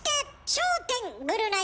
「笑点・ぐるナイ